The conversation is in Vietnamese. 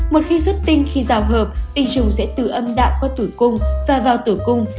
một khi xuất tinh khi rào hợp y trùng sẽ từ âm đạo qua tử cung và vào tử cung